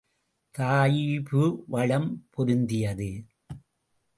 தாயிபு வளம் பொருந்தியது.